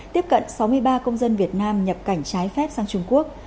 tiếp cận sáu mươi ba công dân việt nam nhập cảnh trái phép sang trung quốc